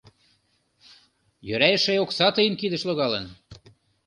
Йӧра эше окса тыйын кидыш логалын.